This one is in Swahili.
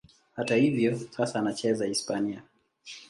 Hata hivyo, sasa anacheza Hispania.